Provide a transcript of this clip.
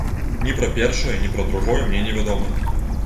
Ні пра першае, ні пра другое мне не вядома.